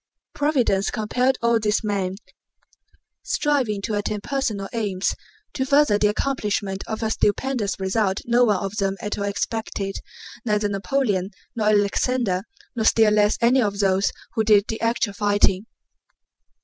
Providence compelled all these men, striving to attain personal aims, to further the accomplishment of a stupendous result no one of them at all expected—neither Napoleon, nor Alexander, nor still less any of those who did the actual fighting.